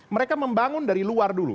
mereka membangun dari luar dulu